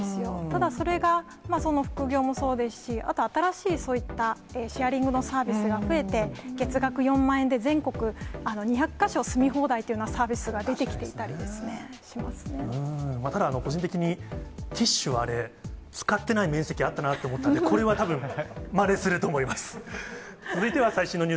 ただ、それがその副業もそうですし、あと新しいそういったシェアリングのサービスが増えて、月額４万円で全国２００か所住み放題っていうようなサービスが出ただ、個人的に、ティッシュはあれ、使ってない面積あったなと思ったんで、これはたぶん、まねすると思います。